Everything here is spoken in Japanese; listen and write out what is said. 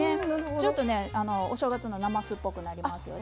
ちょっとお正月のなますっぽくなりますよね。